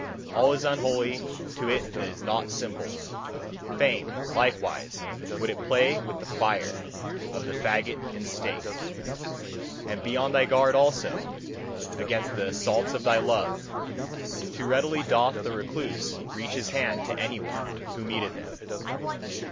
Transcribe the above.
All is unholy to it that is not simple; fain, likewise, would it play with the fire of the fagot and stake. And be on thy guard, also, against the assaults of thy love! Too readily doth the recluse reach his hand to any one who meeteth him.